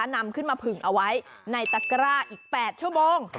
เอาถั่วสิ้นมาผึ้งเอาไว้ในตั๊กระอีก๘ชั่วโมง